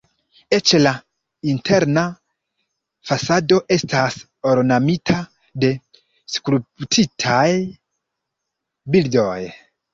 Eĉ la interna fasado estas ornamita de skulptitaj bildoj.